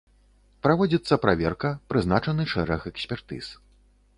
Праводзіцца праверка, прызначаны шэраг экспертыз.